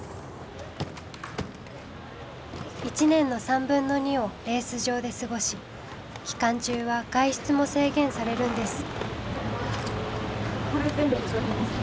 １年の３分の２をレース場で過ごし期間中は外出も制限されるんです。